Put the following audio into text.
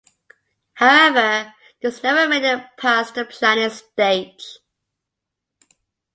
However, this never made it past the planning stage.